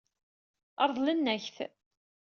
Ṛeḍlen-ak-t.